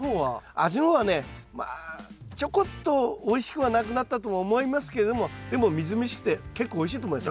味の方はねまあちょこっとおいしくはなくなったとは思いますけれどもでもみずみずしくて結構おいしいと思いますよ。